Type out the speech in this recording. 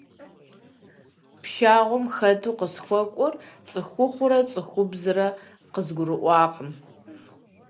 Пшагъуэм хэту къысхуэкӏуэр цӏыхухъурэ цӏыхубзрэ къызгурыӏуакъым.